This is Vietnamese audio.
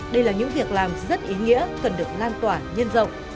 đây là những việc làm rất ý nghĩa cần được lan tỏa nhân rộng